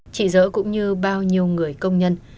chỉ dỡ cũng như bao nhiêu người công nhân